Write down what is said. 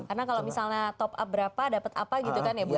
karena kalau misalnya top up berapa dapat apa gitu kan ya bu ya